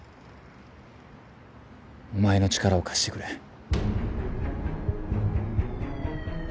お前の力を貸してくれ。